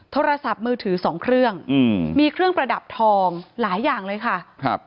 โทรศัพท์มือถือสองเครื่องอืมมีเครื่องประดับทองหลายอย่างเลยค่ะครับ